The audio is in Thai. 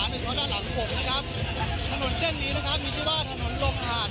ถอนที่โลภาหารเตียบรีครับ